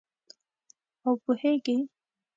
او پوهیږې